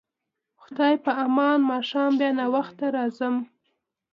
خدای په امان، ماښام بیا ناوخته مه راځه.